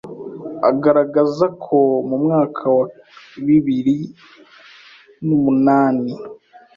Agaragaza ko mu mwaka wa bibiri numunani